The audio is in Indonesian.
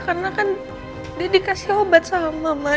karena kan dia dikasih obat sama mama